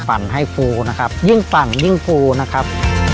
ปั่นให้ฟูนะครับยิ่งปั่นยิ่งฟูนะครับ